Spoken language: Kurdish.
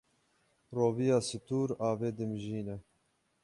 Roviya stûr avê dimijîne.